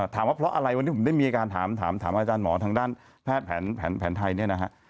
ว่าเพราะอะไรวันนี้ผมได้มีการถามอาจารย์หมอทางด้านแพทย์แผนไทยเนี่ยนะฮะ